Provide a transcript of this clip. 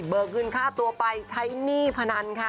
เงินค่าตัวไปใช้หนี้พนันค่ะ